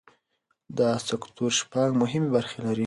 دا سکتور شپږ مهمې برخې لري.